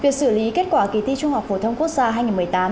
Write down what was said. việc xử lý kết quả kỳ thi trung học phổ thông quốc gia hai nghìn một mươi tám